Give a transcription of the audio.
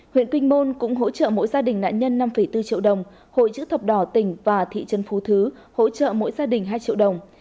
huyện kinh môn cũng hỗ trợ mỗi gia đình nạn nhân năm bốn triệu đồng hội chữ thập đỏ tỉnh và thị trấn phú thứ hỗ trợ mỗi gia đình hai triệu đồng